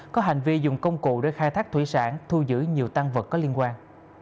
có hành vi dùng công cụ để khai thác thủy sản thu giữ nhiều tăng vật có liên quan